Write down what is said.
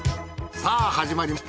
さあ始まりました